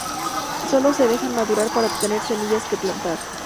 Sólo se dejan madurar para obtener semillas que plantar.